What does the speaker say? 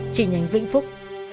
trên nhánh vĩnh phúc